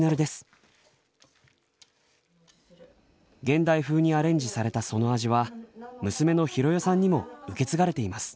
現代風にアレンジされたその味は娘の浩代さんにも受け継がれています。